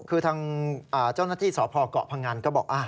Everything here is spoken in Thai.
คือทางเจ้าหน้าที่สพเกาะพงันก็บอก